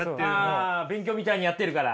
勉強みたいにやってるから。